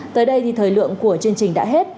tới đây thì thời lượng của chương trình đã hết